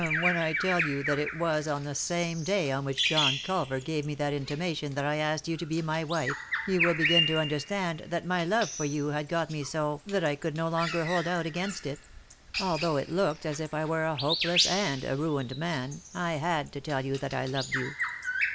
"When I tell you that it was on the same day on which John Culver gave me that intimation that I asked you to be my wife, you will begin to under stand that my love for you had got me so that I could no longer hold out against it; although it looked as if I were a hopeless and a ruined man, I had to tell you that I loved you.